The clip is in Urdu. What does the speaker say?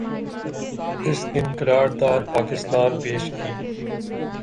اس دن قرارداد پاکستان پیش کی